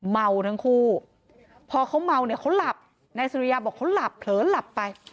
เมาทั้งคู่พอเขาเมาเนี่ยเขาหลับนายสุริยาบอกเขาหลับเผลอหลับไป